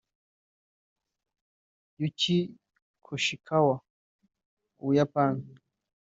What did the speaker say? Yuki Koshikawa [u Buyapani]